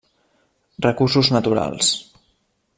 Recursos naturals.